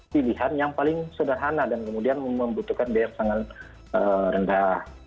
pilihan yang paling sederhana dan kemudian membutuhkan biaya yang sangat rendah